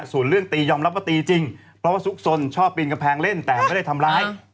ส่วนเรื่องตียอมรับว่าตีจริงเพราะว่าซุกสนชอบปีนกำแพงเล่นแต่ไม่ได้ทำร้าย